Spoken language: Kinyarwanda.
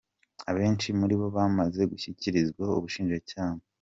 Abenshi muri bo bamaze gushyikirizwa ubushinjacyaha.